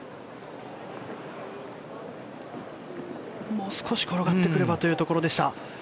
もう少し転がってくればというところでした。